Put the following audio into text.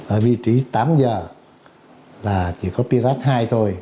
ở vị trí tám giờ là chỉ có pirat hai thôi